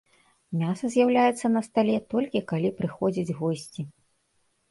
Мяса з'яўляецца на стале, толькі калі прыходзяць госці.